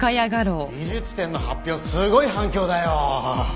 美術展の発表すごい反響だよ。